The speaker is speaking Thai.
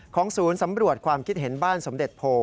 ศูนย์สำรวจความคิดเห็นบ้านสมเด็จโพ